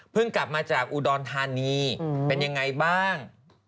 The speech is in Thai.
เพิ่งกลับมาจากอุดรธานีเป็นอย่างไรบ้าง